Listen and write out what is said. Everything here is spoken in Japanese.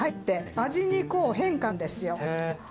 味にこう変化があるんですよ。